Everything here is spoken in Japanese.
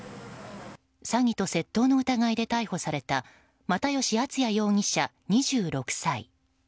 詐欺と窃盗の疑いで逮捕された又吉淳哉容疑者、２６歳。